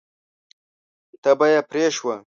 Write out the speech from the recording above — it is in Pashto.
تبه یې پرې شوه.